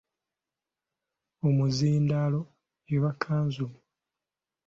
Omuzindaalo eba Kkanzu.